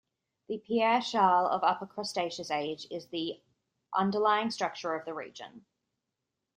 The Pierre Shale of Upper Cretaceous Age is the underlying structure of the region.